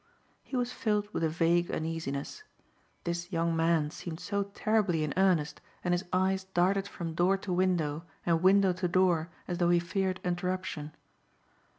He was filled with a vague uneasiness. This young man seemed so terribly in earnest and his eyes darted from door to window and window to door as though he feared interruption.